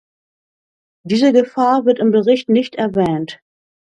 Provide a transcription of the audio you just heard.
Diese Gefahr wird im Bericht nicht erwähnt.